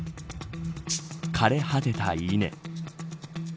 枯れ果てた稲。